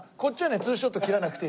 ２ショット切らなくていいです。